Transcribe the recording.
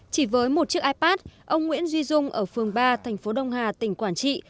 chỉ với một chiếc ipad ông nguyễn duy dung ở phường ba thành phố đông hà tỉnh quảng trị